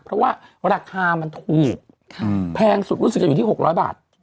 เพราะว่าราคามันถูกแพงสุดรู้สึกจะอยู่ที่๖๐๐บาท